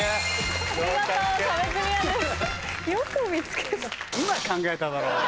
見事壁クリアです。